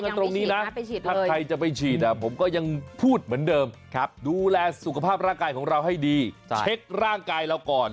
ตรงนี้นะถ้าใครจะไปฉีดผมก็ยังพูดเหมือนเดิมดูแลสุขภาพร่างกายของเราให้ดีเช็คร่างกายเราก่อน